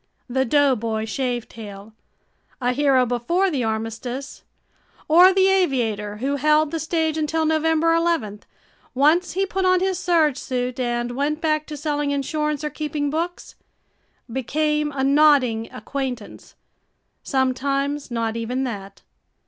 The "doughboy shavetail", a hero before the armistice, or the aviator who held the stage until November eleventh, once he put on his serge suit and went back to selling insurance or keeping books, became a nodding acquaintance, sometimes not even that.